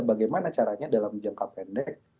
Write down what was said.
bagaimana caranya dalam jangka pendek